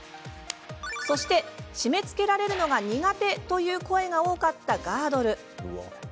そして締めつけられるのが苦手という声が多かったガードル。